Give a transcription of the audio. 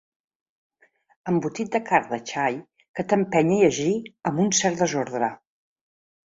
Embotit de carn de xai que t'empeny a llegir amb un cert desordre.